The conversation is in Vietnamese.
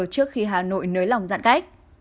trước khi hà nội nới lỏng giãn cách